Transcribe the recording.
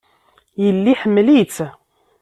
Yella iḥemmel-itt.